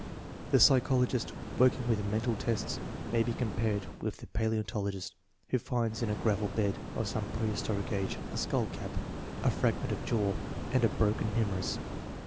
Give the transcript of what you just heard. The psychologist working with mental tests may be compared with the palaeontologist who finds in a gravel bed of some prehistoric age a skull cap, a fragment of jaw, and a broken humerus.